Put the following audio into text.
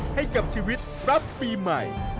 ให้กับชีวิตรับปีใหม่